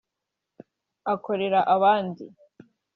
akorera abandi